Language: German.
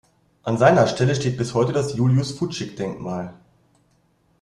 An seiner Stelle steht bis heute das Julius-Fučík-Denkmal.